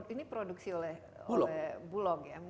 ini produksi oleh bulog ya